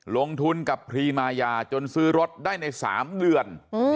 ลงทุนกับพรีมายาจนซื้อรถได้ใน๓เดือน